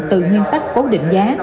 từ nguyên tắc cố định giá